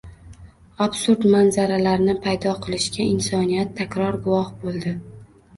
absurd manzaralarni paydo qilishiga insoniyat takror guvoh bo‘ldi.